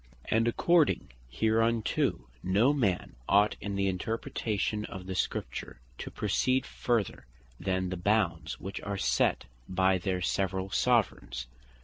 And according hereunto, no man ought in the interpretation of the Scripture to proceed further then the bounds which are set by their severall Soveraigns.